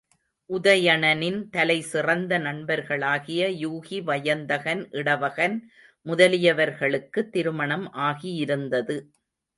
உதயணனின் தலைசிறந்த நண்பர்களாகிய யூகி, வயந்தகன், இடவகன் முதலியவர்களுக்கு திருமணம் ஆகியிருந்தது.